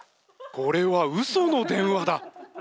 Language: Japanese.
これはウソの電話だ。